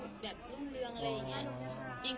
ทุติยังปิตพุทธธาเป็นที่พึ่ง